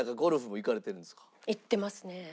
行ってますね。